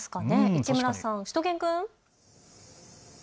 市村さん、しゅと犬くん。